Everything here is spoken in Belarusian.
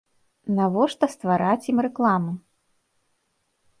Навошта ствараць ім рэкламу?